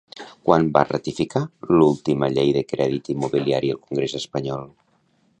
Quan va ratificar l'última llei de crèdit immobiliari el congrés espanyol?